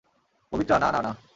পবিত্রা, না, না, না।